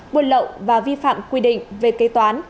buôn lậu và vi phạm quy định về kế toán